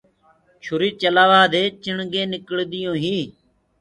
چوري چلآوآ دي چِڻگينٚ نِڪݪديونٚ هينٚ۔